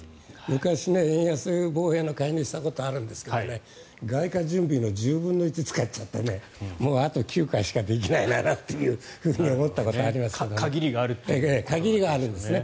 昔、円安防衛の介入をしたことがあるんですが外貨準備の１０分の１使っちゃってもうあと９回しかできないなんて思ったことがありますね。